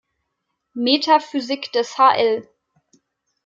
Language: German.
Metaphysik des hl.